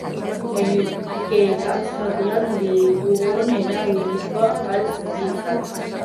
Kezkatzen dituena erabaki ahal izatea.